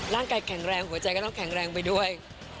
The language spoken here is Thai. ร่างกายแข็งแรงหัวใจก็ต้องแข็งแรงไปด้วย